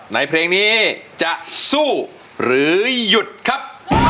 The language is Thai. ในเพลงนี้จะสู้หรือหยุดครับ